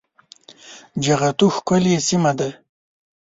جغتو ښکلې سيمه ده